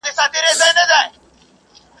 جانان مي مه رسوا کوه ماته راځینه.